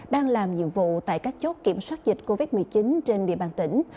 đang làm nhiệm vụ tại các chốt kiểm soát dịch covid một mươi chín trên địa bàn tỉnh